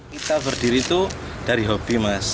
kita berdiri itu dari hobi mas